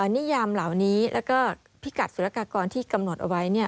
นิยามเหล่านี้แล้วก็พิกัดสุรกากรที่กำหนดเอาไว้